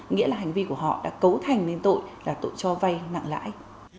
nghĩa là hành vi của họ đã cấu thành lên tội là tội cho vay nặng lãi